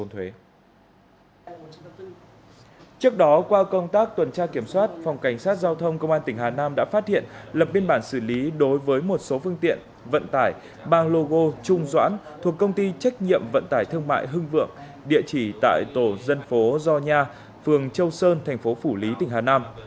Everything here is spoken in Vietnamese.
trước đó qua công tác tuần tra kiểm soát phòng cảnh sát giao thông công an tỉnh hà nam đã phát hiện lập biên bản xử lý đối với một số phương tiện vận tải bằng logo trung doãn thuộc công ty trách nhiệm vận tải thương mại hưng vượng địa chỉ tại tổ dân phố do nha phường châu sơn thành phố phủ lý tỉnh hà nam